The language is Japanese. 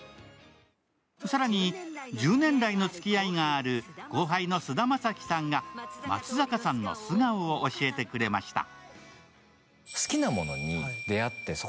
更に１０年来のつきあいがある後輩の菅田将暉さんが松坂さんの素顔を教えてくれました。